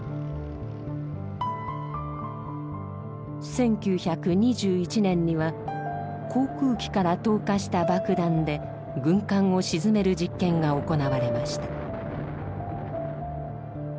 １９２１年には航空機から投下した爆弾で軍艦を沈める実験が行われました。